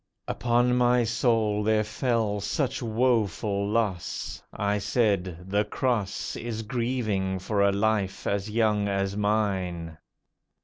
Upon my soul there fell such woeful loss, I said, "The Cross Is grievous for a life as young as mine."